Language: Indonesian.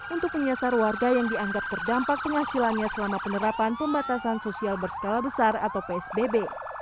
untuk menyasar warga yang dianggap terdampak penghasilannya selama penerapan pembatasan sosial berskala besar atau psbb